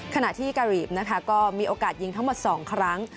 ขณะที่การีฟนะคะก็มีโอกาสยิงทั้งหมด๒ครั้ง